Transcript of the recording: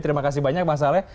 terima kasih banyak mas ale